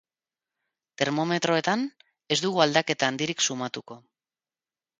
Termometroetan, ez dugu aldaketa handirik sumatuko.